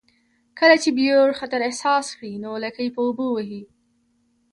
کله چې بیور خطر احساس کړي نو لکۍ په اوبو وهي